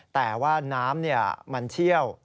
แต่ว่าน้ำมันเชี่ยว